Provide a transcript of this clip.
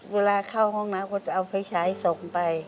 เวลาเข้าห้องน้ำก็จะเอาไปใช้ส่งไป